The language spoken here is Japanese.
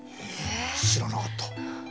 え知らなかった。